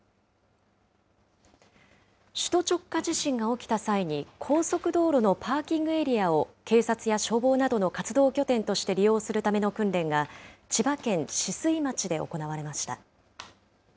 首都直下地震が起きた際に、高速道路のパーキングエリアを警察や消防などの活動拠点として利用するための訓練が、千葉県酒々井町で行われました。